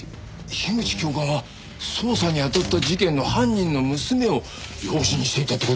樋口教官は捜査にあたった事件の犯人の娘を養子にしていたって事？